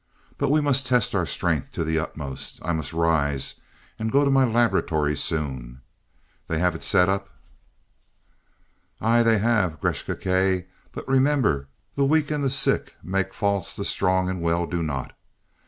But we must test our strength to the utmost. I must rise, and go to my laboratory soon. They have set it up?" "Aye, they have, Gresth Gkae. But remember, the weak and the sick make faults the strong and the well do not.